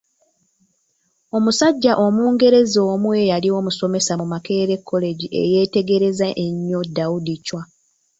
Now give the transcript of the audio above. Omusajja Omungereza omu eyali omusomesa mu Makerere College eyeetegereza ennyo Daudi Chwa.